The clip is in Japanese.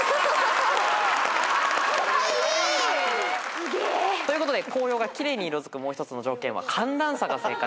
すげえ！ということで紅葉が奇麗に色づくもう一つの条件は「かんだんさ」が正解でした。